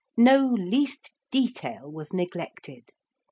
No least detail was neglected.